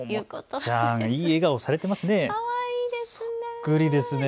ももちゃん、いい笑顔されてますね。